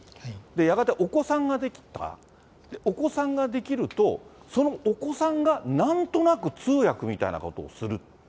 やがてお子さんができた、お子さんができると、そのお子さんがなんとなく通訳みたいなことをする。